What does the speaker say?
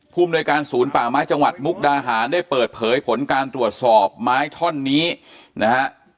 ภูมิหน่วยการศูนย์ป่าไม้จังหวัดมุกดาหารได้เปิดเผยผลการตรวจสอบไม้ท่อนนี้นะฮะ